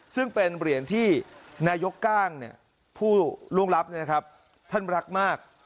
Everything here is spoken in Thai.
ซึ่งเป็นเหรียญที่นายก้างเนี่ยผู้ร่วงรับเนี่ยนะครับท่านรักมาก